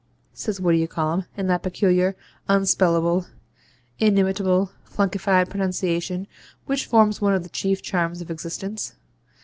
says What d'ye call'um, in that peculiar, unspellable, inimitable, flunkefied pronunciation which forms one of the chief charms of existence.